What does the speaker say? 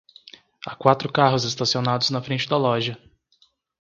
Há quatro carros estacionados na frente da loja.